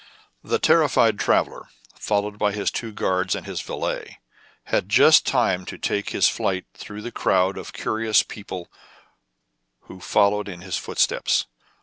The terrified traveller, followed by his two guards and his valet, had just time to take his flight through the crowds of curious people who followed in his footsteps.